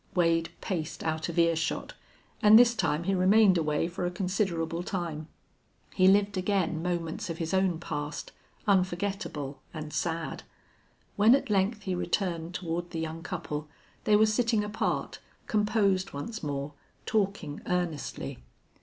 Wade paced out of earshot, and this time he remained away for a considerable time. He lived again moments of his own past, unforgetable and sad. When at length he returned toward the young couple they were sitting apart, composed once more, talking earnestly.